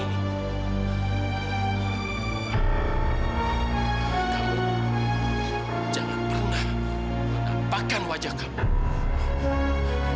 namun jangan pernah menampakkan wajah kamu